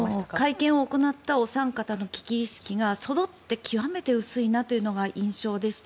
会見を行ったお三方の危機意識がそろって極めて薄いなというのが印象的でした。